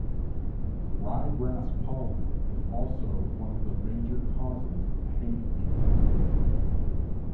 Ryegrass pollen is also one of the major causes of hay fever.